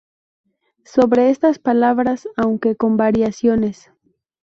Sobre estas palabras, aunque con variaciones